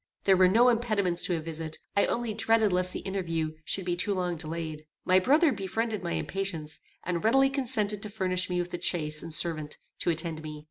There were no impediments to a visit: I only dreaded lest the interview should be too long delayed. My brother befriended my impatience, and readily consented to furnish me with a chaise and servant to attend me.